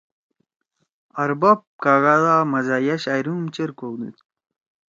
ارباب کاگا دا مزاحیہ شاعری ہُم چیر کؤدُود!